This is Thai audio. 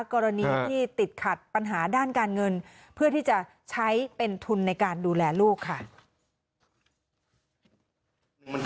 กรณีที่ติดขัดปัญหาด้านการเงินเพื่อที่จะใช้เป็นทุนในการดูแลลูกค่ะ